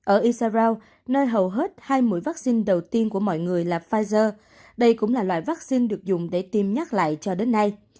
ở isaraok nơi hầu hết hai mũi vaccine đầu tiên của mọi người là pfizer đây cũng là loại vaccine được dùng để tiêm nhắc lại cho đến nay